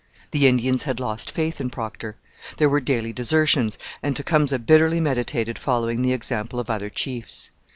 The Indians had lost faith in Procter. There were daily desertions, and Tecumseh bitterly meditated following the example of other chiefs.